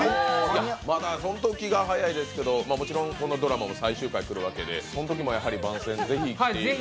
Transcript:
気が早いですけど、もちろんこのドラマも最終回がくるわけでそのときも番宣是非来ていただいて。